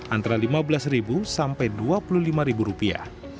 antara lima belas sampai dua puluh lima rupiah